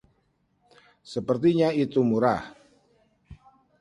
Sepertinya itu murah.